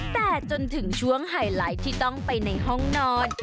แต่จนถึงช่วงไฮไลท์ที่ต้องไปในห้องนอน